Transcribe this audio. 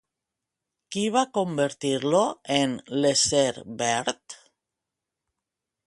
Qui va convertir-lo en l'ésser verd?